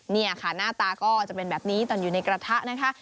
นี่ค่ะหน้าตาก็จะเป็นแบบนี้ตอนอยู่ในกระทะนะคะ